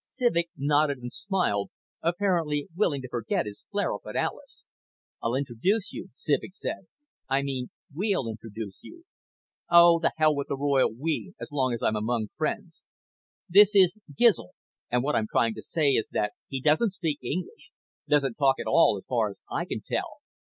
Civek nodded and smiled, apparently willing to forget his flare up at Alis. "I'll introduce you," Civek said. "I mean we'll introduce you. Oh, the hell with the royal 'we,' as long I'm among friends. This is Gizl, and what I'm trying to say is that he doesn't speak English. Doesn't talk at all, as far as I can tell.